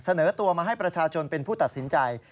เสนอตัวมาให้ประชาชนเป็นผู้ตัดสินใจ